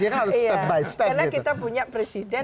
karena kita punya presiden